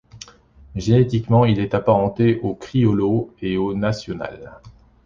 Génétiquement, il est apparenté au criollo et au nacional.